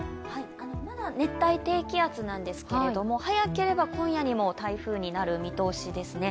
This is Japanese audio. まだ熱帯低気圧なんですけど早ければ今夜にも台風になる見通しですね。